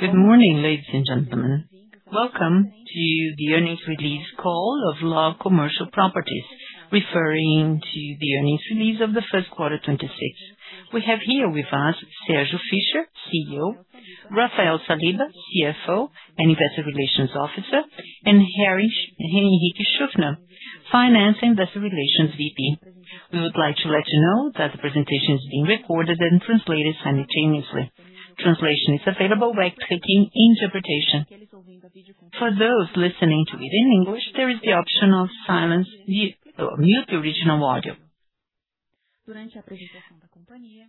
Good morning, ladies and gentlemen. Welcome to the earnings release call of LOG Commercial Properties, referring to the earnings release of the first quarter 2026. We have here with us Sérgio Fischer, CEO, Rafael Saliba, CFO and Investor Relations Officer, and Henrique Schuffner, Finance and Investor Relations Director. We would like to let you know that the presentation is being recorded and translated simultaneously. Translation is available by clicking Interpretation. For those listening to it in English, there is the option of silence mute the original audio.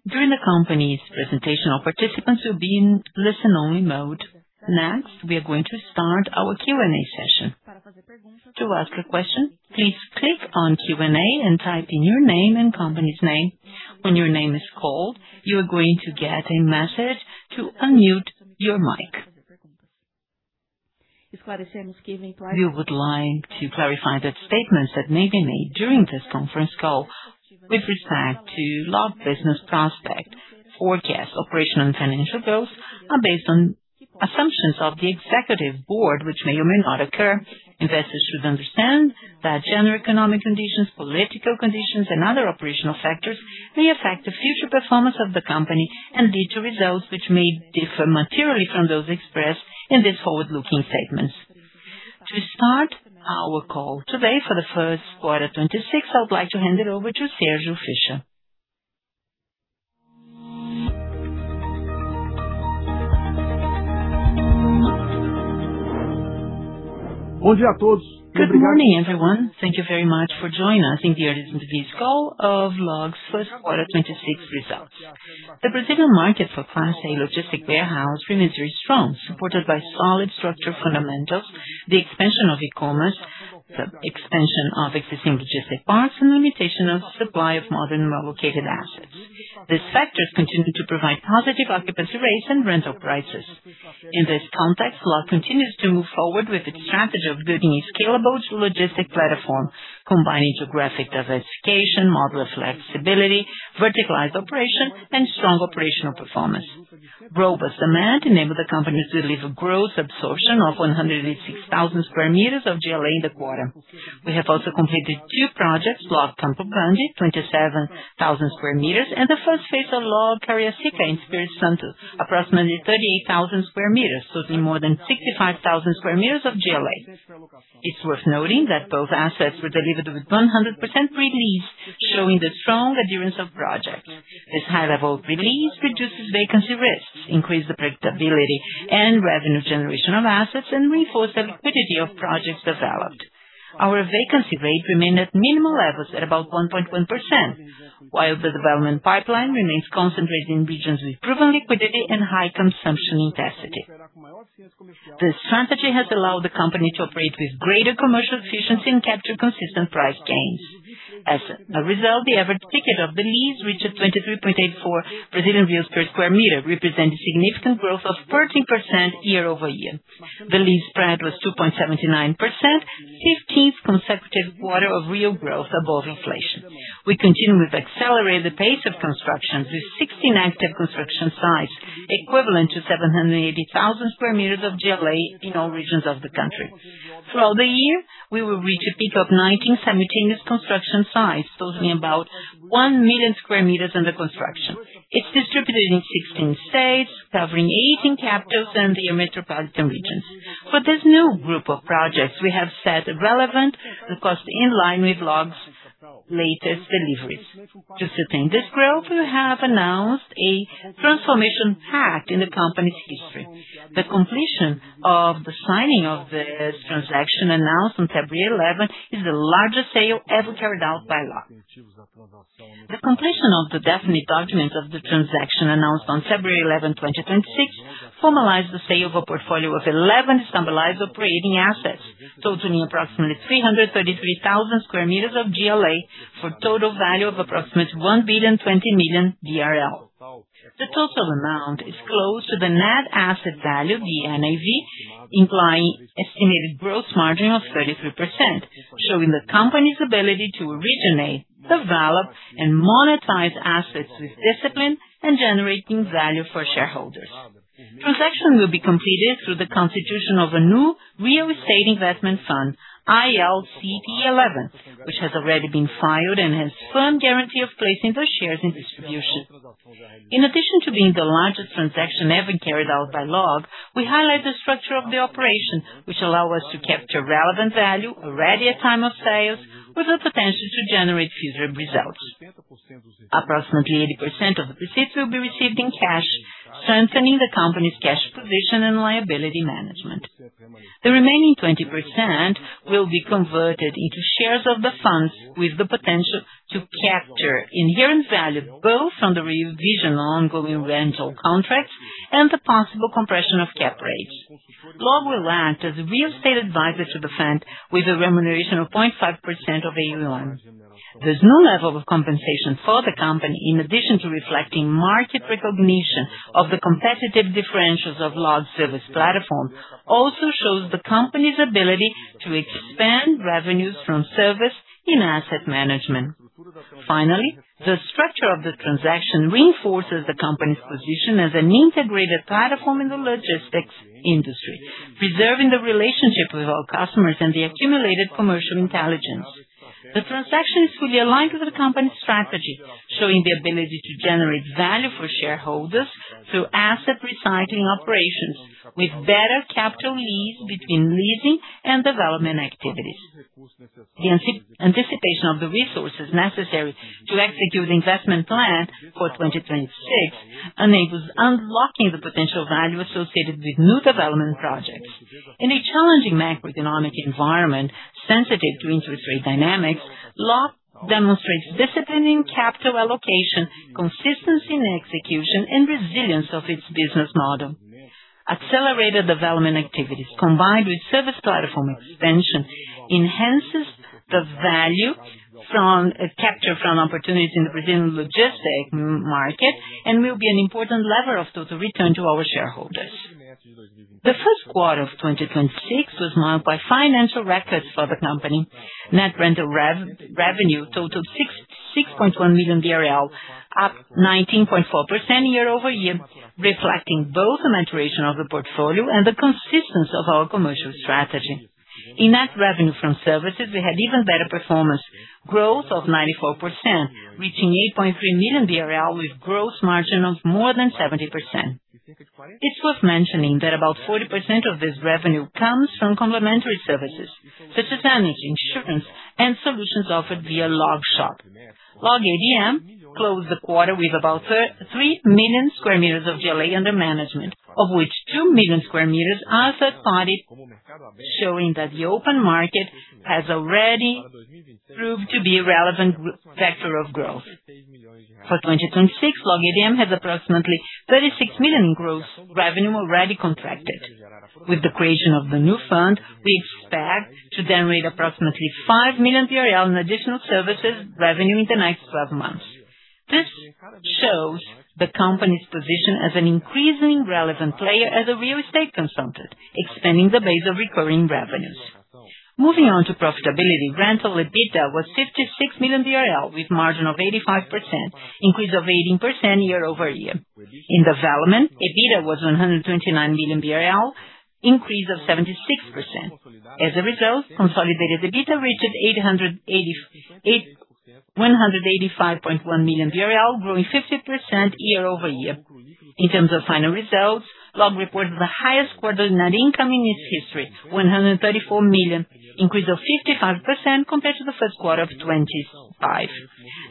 During the company's presentation, all participants will be in listen-only mode. We are going to start our Q&A session. To ask a question, please click on Q&A and type in your name and company's name. When your name is called, you are going to get a message to unmute your mic. We would like to clarify that statements that may be made during this conference call with respect to LOG business prospect, forecast, operational and financial goals are based on assumptions of the executive board, which may or may not occur. Investors should understand that general economic conditions, political conditions, and other operational factors may affect the future performance of the company and lead to results which may differ materially from those expressed in these forward-looking statements. To start our call today for the first quarter 2026, I would like to hand it over to Sérgio Fischer. Good morning, everyone. Thank you very much for joining us in the earnings release call of LOG's first quarter 2026 results. The Brazilian market for Class C logistic warehouse remains very strong, supported by solid structure fundamentals, the expansion of e-commerce, the expansion of existing logistic parks, and limitation of supply of modern well-located assets. These factors continue to provide positive occupancy rates and rental prices. In this context, LOG continues to move forward with its strategy of building a scalable logistic platform, combining geographic diversification, modular flexibility, verticalized operation, and strong operational performance. Robust demand enabled the company to deliver gross absorption of 106,000 sq m of GLA in the quarter. We have also completed two projects, LOG Campo Grande, 27,000 sq m, and the first phase of LOG Cariacica in Espírito Santo, approximately 38,000 sq m, totaling more than 65,000 sq m of GLA. It's worth noting that both assets were delivered with 100% pre-lease, showing the strong adherence of projects. This high level of pre-lease reduces vacancy risks, increase the predictability and revenue generation of assets, and reinforce the liquidity of projects developed. Our vacancy rate remained at minimal levels at about 1.1%, while the development pipeline remains concentrated in regions with proven liquidity and high consumption intensity. This strategy has allowed the company to operate with greater commercial efficiency and capture consistent price gains. As a result, the average ticket of the lease reached 23.84 Brazilian reais per sq m, representing significant growth of 13% year-over-year. The lease spread was 2.79%, 15th consecutive quarter of real growth above inflation. We continue with accelerated pace of construction with 16 active construction sites, equivalent to 780,000 sq m of GLA in all regions of the country. Throughout the year, we will reach a peak of 19 simultaneous construction sites, totaling about 1 million sq m under construction. It's distributed in 16 states, covering 18 capitals and their metropolitan regions. For this new group of projects, we have set relevant cost in line with LOG's latest deliveries. To sustain this growth, we have announced a transformation pact in the company's history. The completion of the signing of this transaction announced on February 11 is the largest sale ever carried out by LOG. The completion of the definite documents of the transaction announced on February 11, 2026 formalized the sale of a portfolio of 11 stabilized operating assets, totaling approximately 333,000 sq mof GLA for a total value of approximately 1.02 billion. The total amount is close to the net asset value, the NAV, implying estimated gross margin of 33%, showing the company's ability to originate, develop, and monetize assets with discipline and generating value for shareholders. Transaction will be completed through the constitution of a new real estate investment fund, ILCE11, which has already been filed and has firm guarantee of placing the shares in distribution. In addition to being the largest transaction ever carried out by LOG, we highlight the structure of the operation, which allow us to capture relevant value already at time of sales with the potential to generate future results. Approximately 80% of the proceeds will be received in cash, strengthening the company's cash position and liability management. The remaining 20% will be converted into shares of the funds with the potential to capture inherent value, both from the revision of ongoing rental contracts and the possible compression of cap rates. LOG will act as a real estate advisor to the fund with a remuneration of 0.5% of AUM. This new level of compensation for the company, in addition to reflecting market recognition of the competitive differentials of LOG service platform, also shows the company's ability to extract revenues from service in asset management. Finally, the structure of the transaction reinforces the company's position as an integrated platform in the logistics industry, preserving the relationship with our customers and the accumulated commercial intelligence. The transaction is fully aligned with the company's strategy, showing the ability to generate value for shareholders through asset recycling operations with better capital yield between leasing and development activities. The anti-anticipation of the resources necessary to execute the investment plan for 2026 enables unlocking the potential value associated with new development projects. In a challenging macroeconomic environment sensitive to interest rate dynamics, LOG demonstrates discipline in capital allocation, consistency in execution, and resilience of its business model. Accelerated development activities combined with service platform expansion enhances the value from a capture from opportunities in the Brazilian logistic market, and will be an important lever of total return to our shareholders. The first quarter of 2026 was marked by financial records for the company. Net rental revenue totaled 6.1 million, up 19.4% year-over-year, reflecting both the maturation of the portfolio and the consistency of our commercial strategy. In net revenue from services, we had even better performance. Growth of 94%, reaching 8.3 million BRL, with growth margin of more than 70%. It's worth mentioning that about 40% of this revenue comes from complementary services such as manage, insurance, and solutions offered via Log Shop. Log ADM closed the quarter with about 3 million sq m of GLA under management, of which 2 million sq m are third-party, showing that the open market has already proved to be a relevant vector of growth. For 2026, Log ADM has approximately 36 million in gross revenue already contracted. With the creation of the new fund, we expect to generate approximately 5 million in additional services revenue in the next twelve months. This shows the company's position as an increasing relevant player as a real estate consultant, expanding the base of recurring revenues. Moving on to profitability, rental EBITDA was 56 million, with margin of 85%, increase of 18% year-over-year. In development, EBITDA was 129 million BRL, increase of 76%. As a result, consolidated EBITDA reached 185.1 million BRL, growing 50% year-over-year. In terms of final results, LOG reported the highest quarter net income in its history, 134 million, increase of 55% compared to the first quarter of 2025.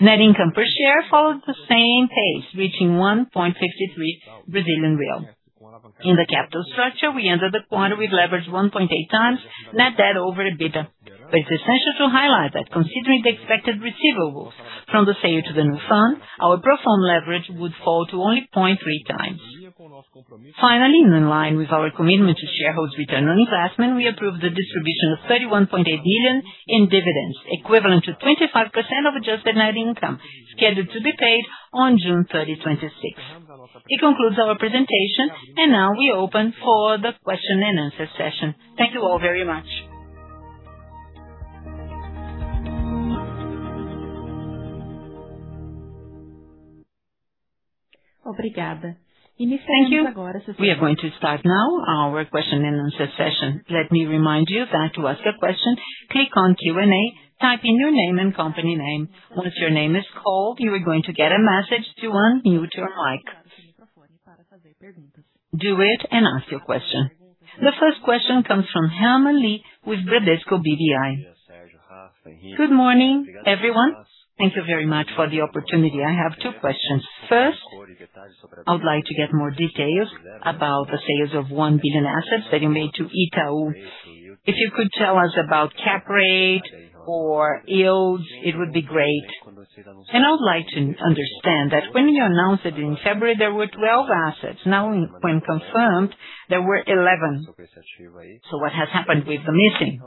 Net income per share followed the same pace, reaching 1.63 Brazilian real. In the capital structure, we entered the quarter with leverage 1.8x net debt over EBITDA. It's essential to highlight that considering the expected receivables from the sale to the new fund, our pro forma leverage would fall to only 0.3x. Finally, in line with our commitment to shareholders' return on investment, we approved the distribution of 31.8 million in dividends, equivalent to 25% of adjusted net income, scheduled to be paid on June 30, 2026. It concludes our presentation, now we open for the question and answer session. Thank you all very much. Thank you. We are going to start now our question and answer session. Let me remind you that to ask a question, click on Q&A, type in your name and company name. Once your name is called, you are going to get a message to unmute your mic. Do it and ask your question. The first question comes from Herman Lee with Bradesco BBI. Good morning, everyone. Thank you very much for the opportunity. I have two questions. First, I would like to get more details about the sales of 1 billion assets that you made to Itaú. If you could tell us about cap rate or yields, it would be great. I would like to understand that when you announced it in February, there were 12 assets. Now, when confirmed, there were 11. What has happened with the missing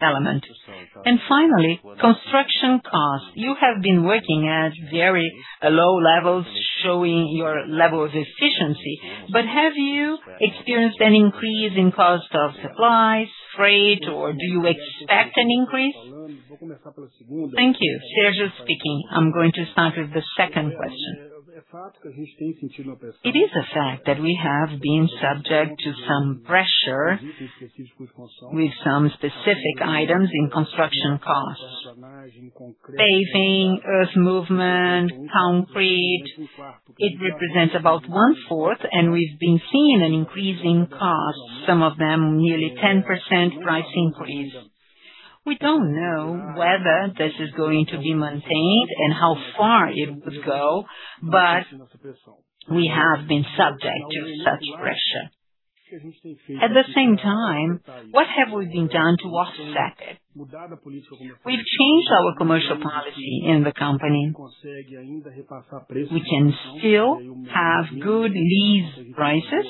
element? Finally, construction costs. You have been working at very low levels, showing your level of efficiency. Have you experienced an increase in cost of supplies, freight, or do you expect an increase? Thank you. Sérgio speaking. I'm going to start with the second question. It is a fact that we have been subject to some pressure with some specific items in construction costs. Paving, earth movement, concrete, it represents about one-fourth, and we've been seeing an increase in costs, some of them nearly 10% price increase. We don't know whether this is going to be maintained and how far it would go, but we have been subject to such pressure. At the same time, what have we been done to offset it? We've changed our commercial policy in the company. We can still have good lease prices.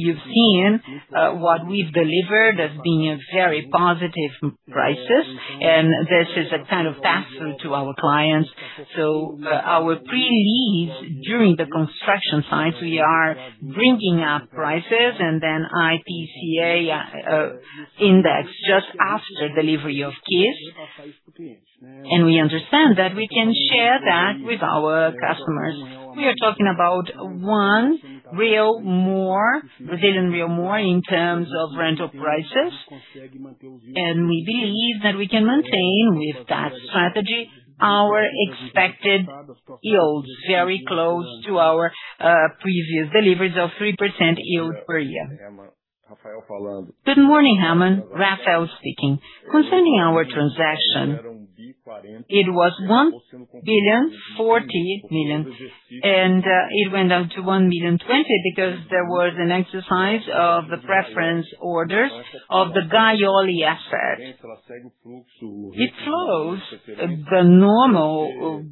You've seen what we've delivered as being a very positive prices, and this is a trend-To our clients. Our pre-lease during the construction sites, we are bringing up prices and then IPCA index just after delivery of keys. We understand that we can share that with our customers. We are talking about 1 real more in terms of rental prices. We believe that we can maintain with that strategy our expected yields very close to our previous deliveries of 3% yield per year. Good morning, Herman. Rafael speaking. Concerning our transaction, it was 1.04 billion, it went down to 1.02 billion because there was an exercise of the preference orders of the Golgi asset. It follows the normal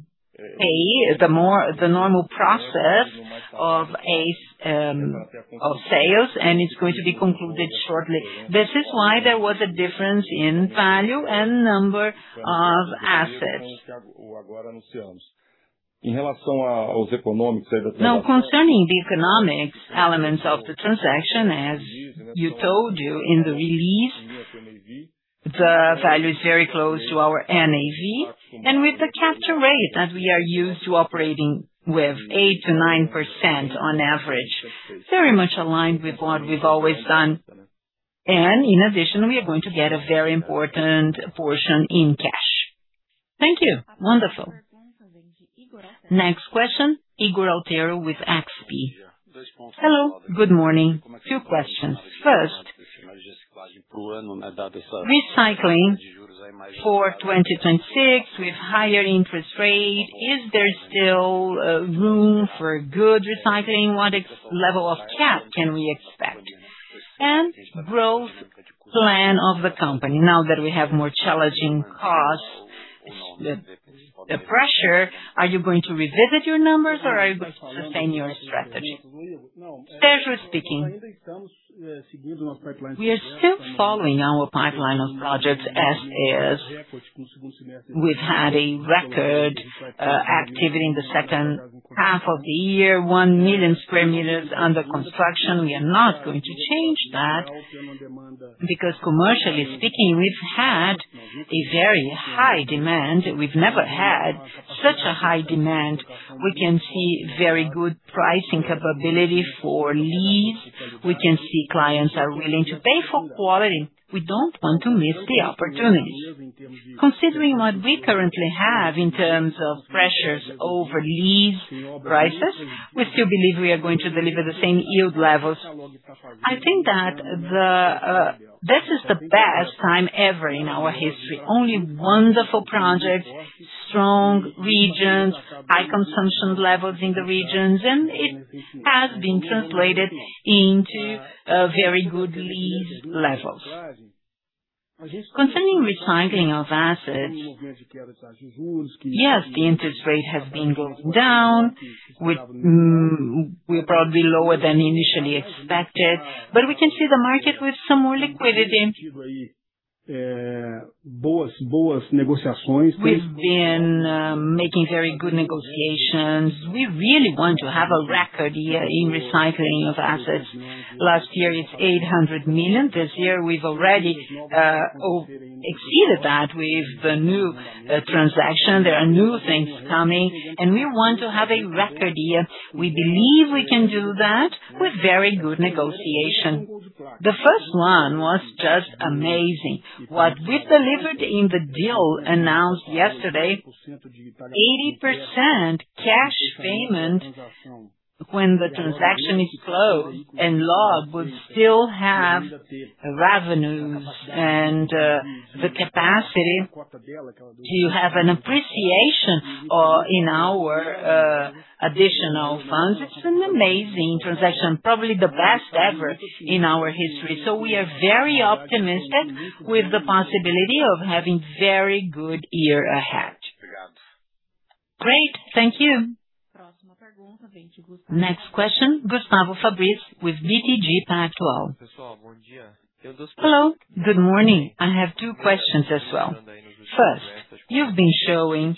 process of a of sales, and it's going to be concluded shortly. This is why there was a difference in value and number of assets. Now, concerning the economic elements of the transaction, as you told you in the release, the value is very close to our NAV. With the cap rate, as we are used to operating with 8%-9% on average, very much aligned with what we've always done. In addition, we are going to get a very important portion in cash. Thank you. Wonderful. Next question, Ygor Altero with XP. Hello, good morning. Few questions. First, recycling for 2026 with higher interest rates, is there still room for good recycling? What level of cap rate can we expect? Growth plan of the company. Now that we have more challenging costs, the pressure, are you going to revisit your numbers or are you going to sustain your strategy? Sérgio speaking. We are still following our pipeline of projects as is. We've had a record activity in the second half of the year, 1 million sq m under construction. We are not going to change that because commercially speaking, we've had a very high demand. We've never had such a high demand. We can see very good pricing capability for lease. We can see clients are willing to pay for quality. We don't want to miss the opportunity. Considering what we currently have in terms of pressures over lease prices, we still believe we are going to deliver the same yield levels. I think that the this is the best time ever in our history. Only wonderful projects, strong regions, high consumption levels in the regions, and it has been translated into very good lease levels. Concerning recycling of assets, yes, the interest rate has been going down. We're probably lower than initially expected, but we can see the market with some more liquidity. We've been making very good negotiations. We really want to have a record year in recycling of assets. Last year, it's 800 million. This year, we've already exceeded that with the new transaction. There are new things coming, and we want to have a record year. We believe we can do that with very good negotiation. The first one was just amazing. What we've delivered in the deal announced yesterday, 80% cash payment when the transaction is closed and LOG will still have revenues and the capacity to have an appreciation in our additional funds. It's an amazing transaction, probably the best ever in our history. We are very optimistic with the possibility of having very good year ahead. Great. Thank you. Next question, Gustavo Fabris with BTG Pactual. Hello, good morning. I have two questions as well. You've been showing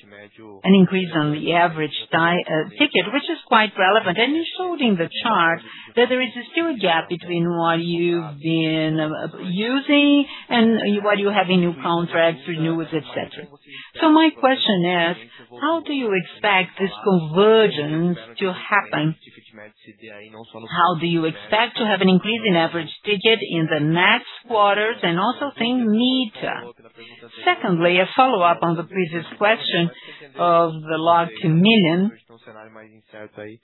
an increase on the average ticket, which is quite relevant. You showed in the chart that there is still a gap between what you've been using and what you have in new contracts, renewals, et cetera. My question is, how do you expect this convergence to happen? How do you expect to have an increase in average ticket in the next quarters and also think meter? A follow-up on the previous question of the LOG 2 Million.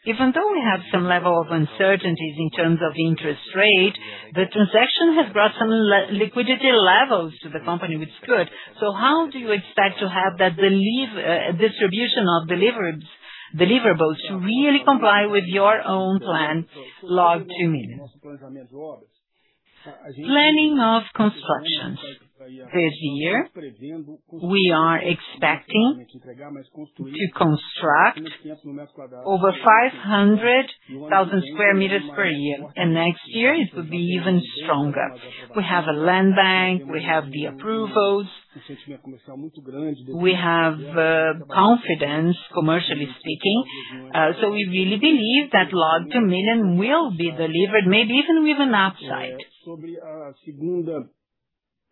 Even though we have some level of uncertainties in terms of interest rate, the transaction has brought some liquidity levels to the company, which is good. How do you expect to have that distribution of deliverables to really comply with your own plan, LOG 2 Million? Planning of constructions. This year, we are expecting to construct over 500,000 sq m per year. Next year it will be even stronger. We have a land bank, we have the approvals. We have confidence, commercially speaking. We really believe that LOG 2 Million will be delivered, maybe even with an upside.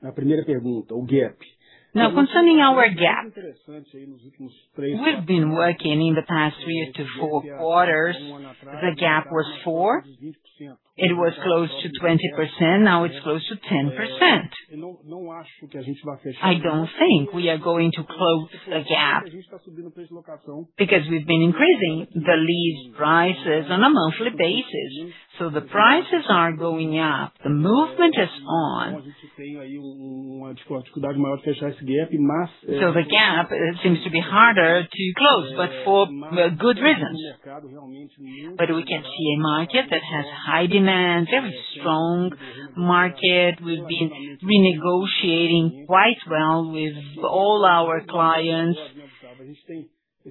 Now concerning our cap, we've been working in the past three to four quarters. The cap was 4. It was close to 20%, now it's close to 10%. I don't think we are going to close the cap because we've been increasing the lease prices on a monthly basis. The prices are going up, the movement is on. The cap seems to be harder to close, but for good reasons. We can see a market that has high demand, very strong market. We've been renegotiating quite well with all our clients.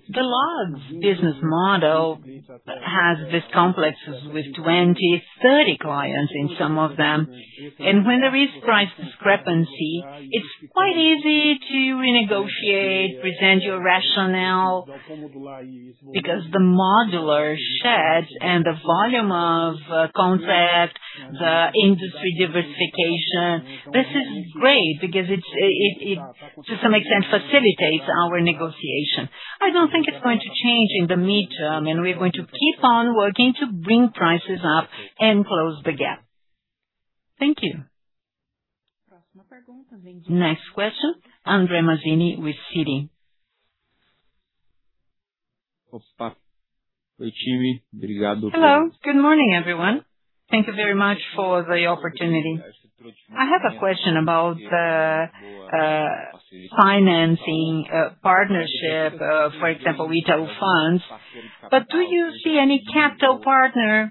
The LOG's business model has these complexes with 20, 30 clients in some of them. When there is price discrepancy, it's quite easy to renegotiate, present your rationale, because the modular shed and the volume of contract, the industry diversification, this is great because it's, it, to some extent, facilitates our negotiation. I don't think it's going to change in the midterm, and we're going to keep on working to bring prices up and close the gap. Thank you. Next question, Andre Mazini with Citi. Hello, good morning, everyone. Thank you very much for the opportunity. I have a question about the financing partnership, for example, retail funds. Do you see any capital partner,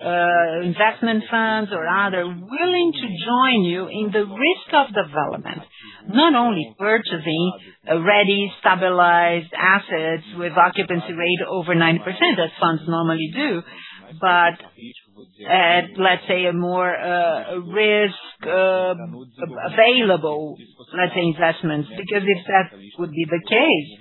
investment funds or other willing to join you in the risk of development? Not only purchasing ready stabilized assets with occupancy rate over 9% as funds normally do, but at, let's say, a more risk available, let's say, investments. If that would be the case,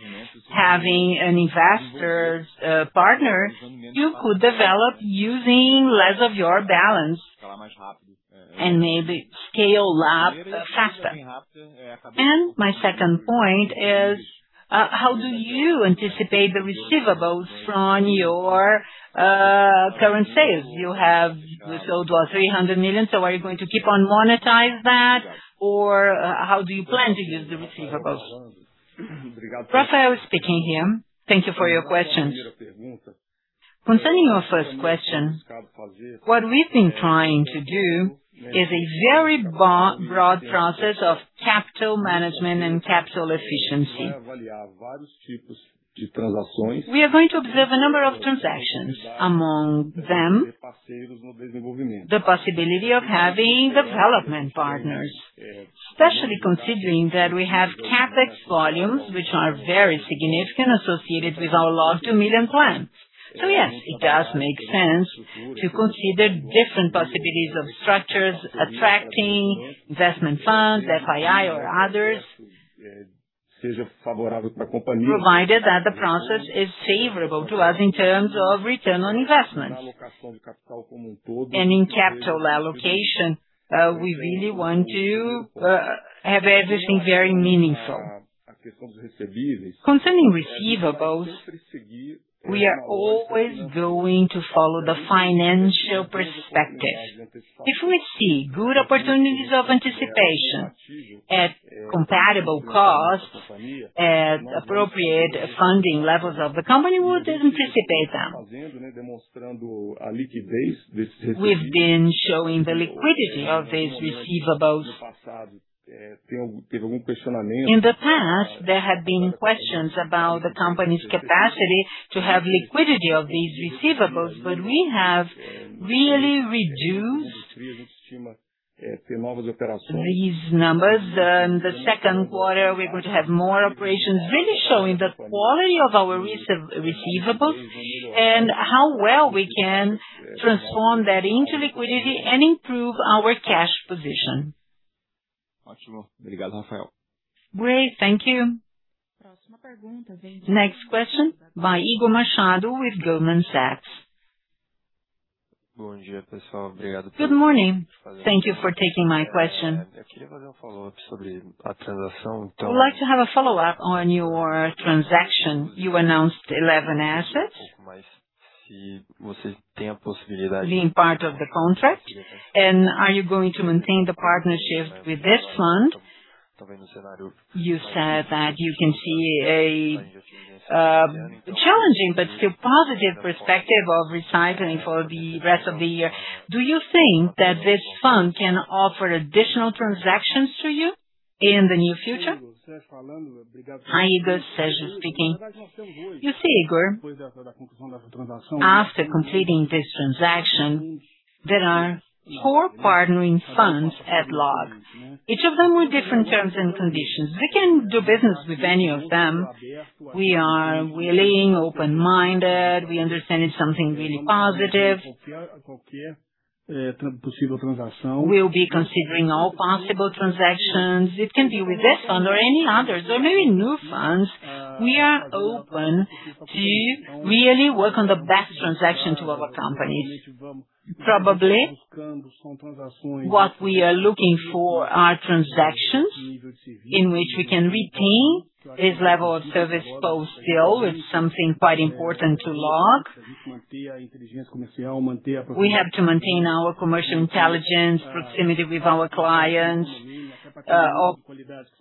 having an investor's partner, you could develop using less of your balance and maybe scale up faster. My second point is, how do you anticipate the receivables from your current sales? You have sold about 300 million, are you going to keep on monetize that? How do you plan to use the receivables? Rafael speaking here. Thank you for your questions. Concerning your first question, what we've been trying to do is a very broad process of capital management and capital efficiency. We are going to observe a number of transactions, among them, the possibility of having development partners, especially considering that we have CapEx volumes, which are very significant associated with our LOG 2 Million plan. Yes, it does make sense to consider different possibilities of structures attracting investment funds, FII or others, provided that the process is favorable to us in terms of return on investment. In capital allocation, we really want to have everything very meaningful. Concerning receivables, we are always going to follow the financial perspective. If we see good opportunities of anticipation at compatible costs, at appropriate funding levels of the company, we'll anticipate them. We've been showing the liquidity of these receivables. In the past, there had been questions about the company's capacity to have liquidity of these receivables, but we have really reduced these numbers. The second quarter, we're going to have more operations, really showing the quality of our receivable and how well we can transform that into liquidity and improve our cash position. Great. Thank you. Next question by Igor Machado with Goldman Sachs. Good morning. Thank you for taking my question. I would like to have a follow-up on your transaction. You announced 11 assets being part of the contract, are you going to maintain the partnership with this fund? You said that you can see a challenging but still positive perspective of recycling for the rest of the year. Do you think that this fund can offer additional transactions in the near future? Hi Igor, Sérgio speaking. You see Igor, after completing this transaction, there are four partnering funds at LOG, each of them with different terms and conditions. We can do business with any of them. We are willing, open-minded, we understand it's something really positive. We'll be considering all possible transactions. It can be with this fund or any other. There are many new funds. We are open to really work on the best transaction to our company. Probably, what we are looking for are transactions in which we can retain this level of service post deal. It's something quite important to LOG. We have to maintain our commercial intelligence, proximity with our clients,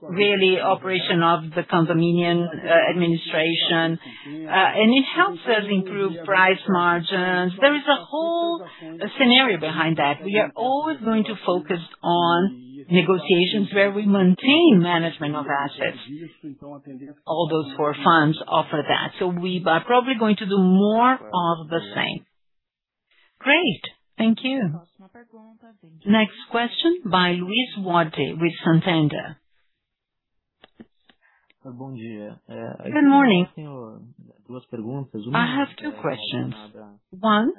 really operation of the condominium, administration, and it helps us improve price margins. There is a whole scenario behind that. We are always going to focus on negotiations where we maintain management of assets. All those 4 funds offer that. We are probably going to do more of the same. Great. Thank you. Next question by Luis Wady with Santander. Good morning. I have two questions. One,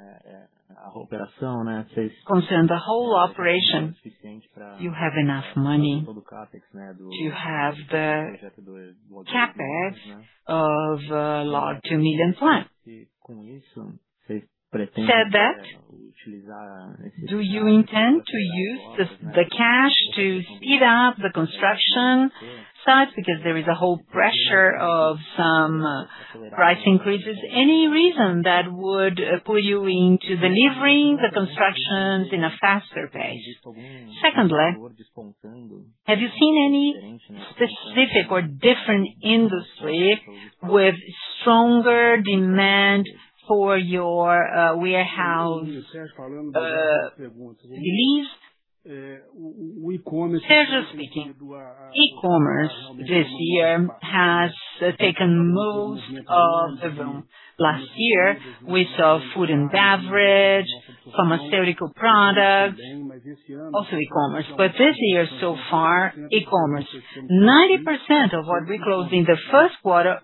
concern the whole operation. Do you have enough money? Do you have the CapEx of LOG 2 Million plan? Do you intend to use the cash to speed up the construction sites because there is a whole pressure of some price increases? Any reason that would put you into delivering the constructions in a faster pace? Secondly, have you seen any specific or different industry with stronger demand for your warehouse leased? Sérgio speaking. E-commerce this year has taken most of the room. Last year, we saw food and beverage, pharmaceutical products, also e-commerce. This year so far, e-commerce, 90% of what we closed in the first quarter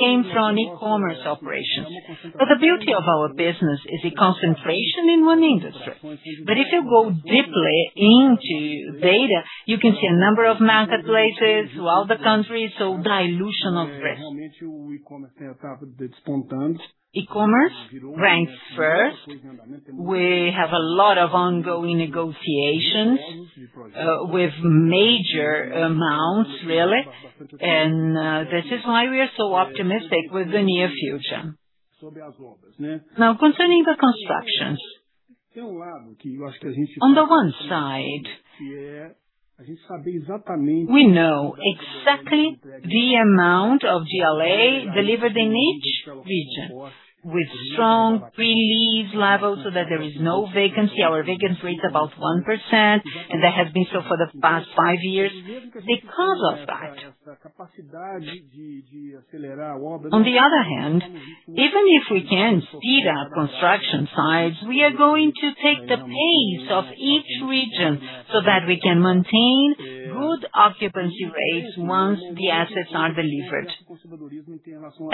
ends on e-commerce operations. The beauty of our business is a concentration in one industry. If you go deeply into data, you can see a number of marketplaces throughout the country, so dilution of risk. E-commerce ranks first. We have a lot of ongoing negotiations with major amounts, really, and this is why we are so optimistic with the near future. Now, concerning the constructions. On the one side, we know exactly the amount of GLA delivered in each region with strong pre-lease levels so that there is no vacancy. Our vacancy rate is about 1%, and that has been so for the past five years because of that. On the other hand, even if we can speed up construction sites, we are going to take the pace of each region so that we can maintain good occupancy rates once the assets are delivered.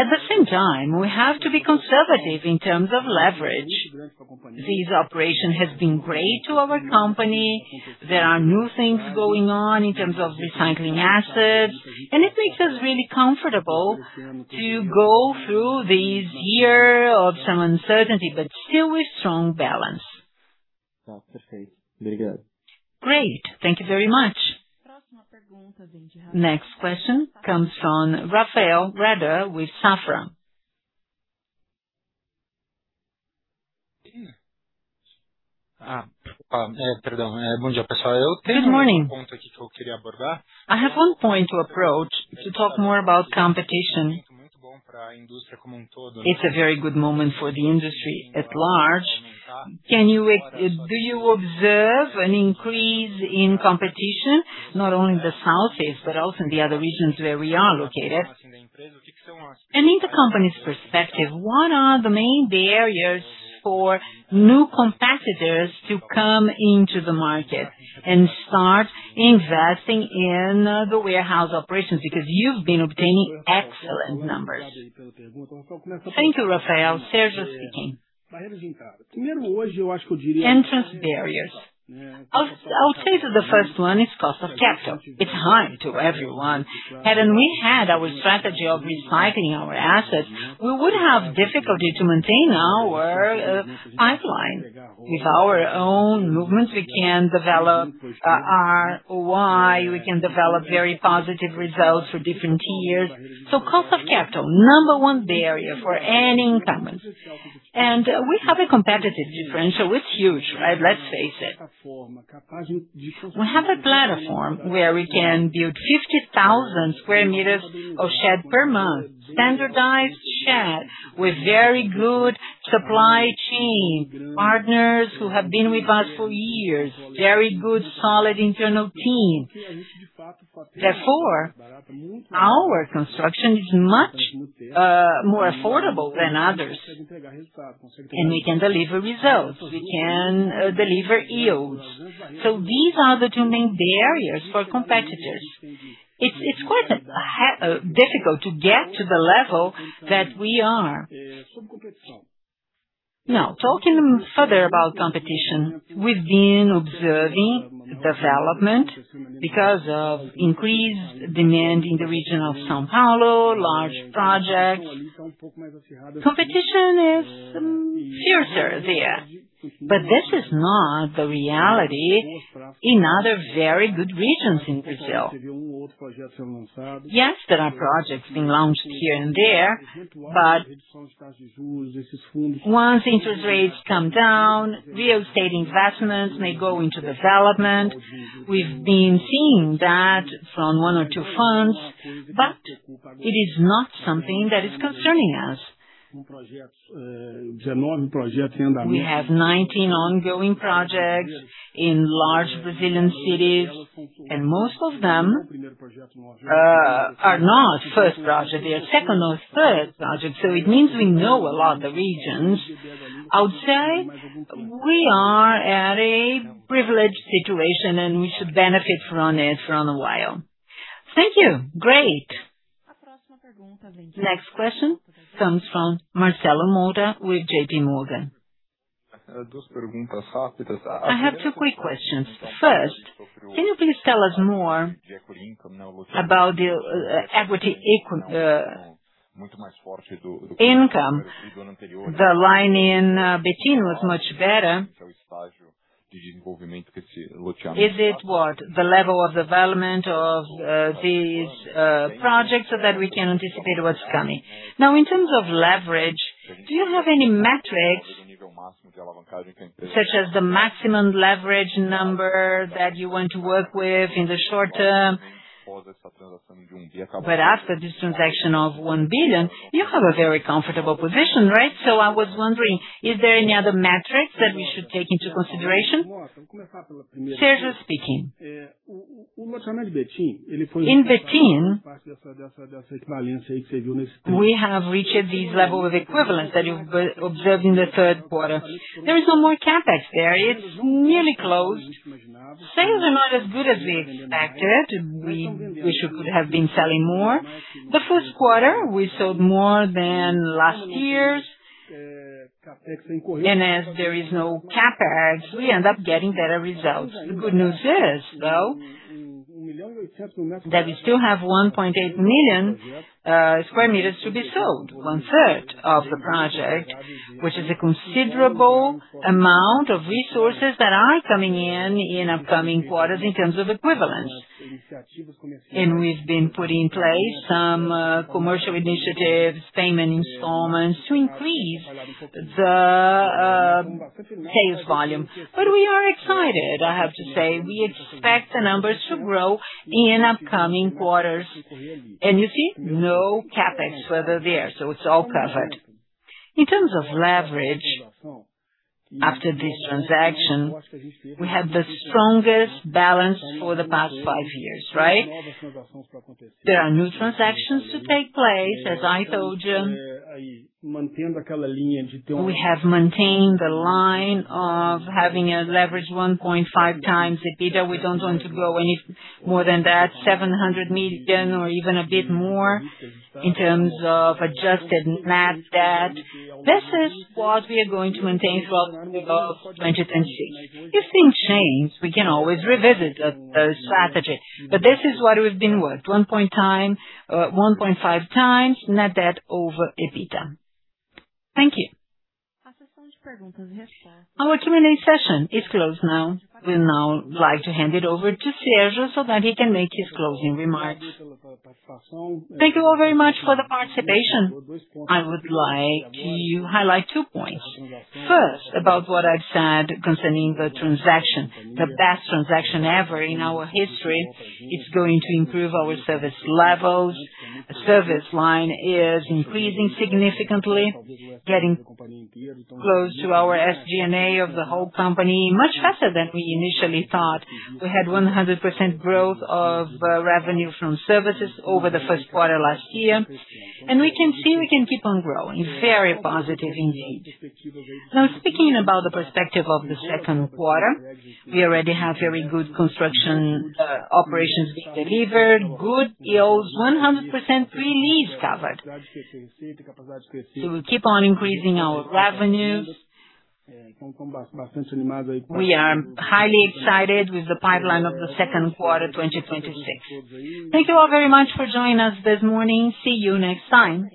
At the same time, we have to be conservative in terms of leverage. This operation has been great to our company. There are new things going on in terms of recycling assets, and it makes us really comfortable to go through this year of some uncertainty, but still with strong balance. Great. Thank you very much. Next question comes from Rafael Rehder with Safra. Good morning. I have one point to approach, to talk more about competition. It's a very good moment for the industry at large. Do you observe an increase in competition not only in the Southeast, but also in the other regions where we are located? In the company's perspective, what are the main barriers for new competitors to come into the market and start investing in the warehouse operations because you've been obtaining excellent numbers. Thank you, Rafael. Sérgio Fischer speaking. Entrance barriers. I'll say that the first one is cost of capital. Hi to everyone. Hadn't we had our strategy of recycling our assets, we would have difficulty to maintain our pipeline. With our own movements, we can develop our ROI, we can develop very positive results for different tiers. Cost of capital, number one barrier for any incumbent. We have a competitive differential. It's huge, right? Let's face it. We have a platform where we can build 50,000 sq m of shed per month, standardized. With very good supply chain partners who have been with us for years. Very good, solid internal team. Therefore, our construction is much more affordable than others, and we can deliver results, we can deliver yields. These are the two main barriers for competitors. It's quite a difficult to get to the level that we are. Now, talking further about competition. We've been observing development because of increased demand in the region of São Paulo, large projects. Competition is fiercer there, but this is not the reality in other very good regions in Brazil. Yes, there are projects being launched here and there, but once interest rates come down, real estate investments may go into development. We've been seeing that from one or two funds, but it is not something that is concerning us. We have 19 ongoing projects in large Brazilian cities, and most of them are not firstst project. They are second or third project, so it means we know a lot of the regions. I would say we are at a privileged situation, and we should benefit from it for a while. Thank you. Great. Next question comes from Marcelo Moura with JPMorgan. I have two quick questions. First, can you please tell us more about the equity income? The line in Betim was much better. Is it what? The level of development of these projects so that we can anticipate what's coming. In terms of leverage, do you have any metrics such as the maximum leverage number that you want to work with in the short term? After this transaction of 1 billion, you have a very comfortable position, right? I was wondering, is there any other metrics that we should take into consideration? Sérgio speaking. In Betim, we have reached this level of equivalence that you've observed in the third quarter. There is no more CapEx there. It's nearly closed. Sales are not as good as we expected. We wish we could have been selling more. The first quarter, we sold more than last year's. As there is no CapEx, we end up getting better results. The good news is, though, that we still have 1.8 million sq m to be sold, one third of the project. Which is a considerable amount of resources that are coming in in upcoming quarters in terms of equivalence. We've been putting in place some commercial initiatives, payment installments to increase the sales volume. We are excited, I have to say. We expect the numbers to grow in upcoming quarters. You see no CapEx further there, so it's all covered. In terms of leverage, after this transaction, we have the strongest balance for the past 5 years, right? There are new transactions to take place. As I told you, we have maintained a line of having a leverage 1.5x EBITDA. We don't want to grow any more than that. 700 million or even a bit more in terms of adjusted net debt. This is what we are going to maintain throughout the course of 2026. If things change, we can always revisit the strategy. This is what we've been with, 1.5x net debt over EBITDA. Thank you. Our Q&A session is closed now. We'd now like to hand it over to Sérgio so that he can make his closing remarks. Thank you all very much for the participation. I would like to highlight two points. First, about what I've said concerning the transaction, the best transaction ever in our history. It's going to improve our service levels. The service line is increasing significantly, getting close to our SG&A of the whole company much faster than we initially thought. We had 100% growth of revenue from services over the first quarter last year. We can see we can keep on growing. Very positive indeed. Speaking about the perspective of the second quarter, we already have very good construction operations being delivered, good yields, 100% pre-lease covered. We'll keep on increasing our revenues. We are highly excited with the pipeline of the second quarter 2026. Thank you all very much for joining us this morning. See you next time.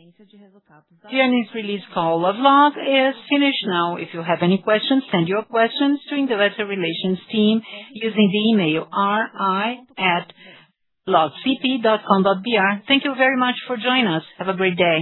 Earnings release call of LOG is finished now. If you have any questions, send your questions to Investor Relations team using the email ri@logcp.com.br. Thank you very much for joining us. Have a great day.